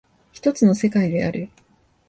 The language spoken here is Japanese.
一つの世界である。